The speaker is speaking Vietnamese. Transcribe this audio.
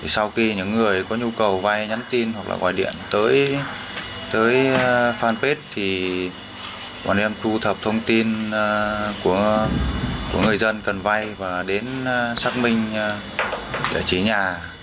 sau khi những người có nhu cầu vay nhắn tin hoặc là gọi điện tới fanpage thì bọn em thu thập thông tin của người dân cần vay và đến xác minh để trí nhà